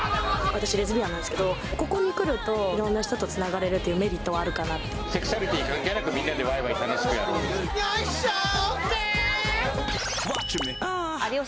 私レズビアンなんですけどここに来るといろんな人とつながれるっていうメリットはあるかなってセクシャリティ関係なくみんなでワイワイ楽しくやるお店よいしょＯＫ！